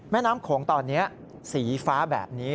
แม่น้ำโขงตอนนี้สีฟ้าแบบนี้